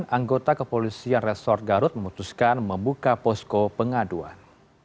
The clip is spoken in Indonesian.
anggota kepolisian resort garut memutuskan membuka posko pengaduan